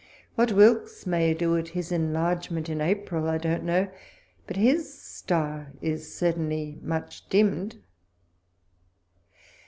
What Wilkes may do at his enlargement in April, I don't know, but his star is certainly much dimmed.